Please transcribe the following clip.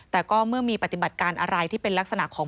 แต่ก็เมื่อมีปฏิบัติการอะไรที่เป็นลักษณะของ